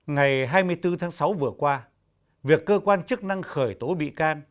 ngày hai mươi bốn tháng sáu vừa qua việc cơ quan chức năng khởi tố bị can